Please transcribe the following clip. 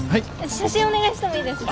写真お願いしてもいいですか？